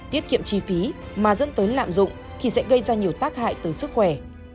tiết kiệm chi phí mà dẫn tới lạm dụng thì sẽ gây ra nhiều tác hại tới sức khỏe